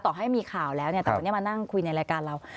ต่อให้มีข่าวแล้วเนี่ยแต่วันนี้มานั่งคุยในรายการเรา